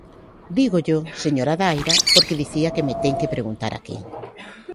Dígollo, señora Daira, porque dicía que me ten que preguntar aquí.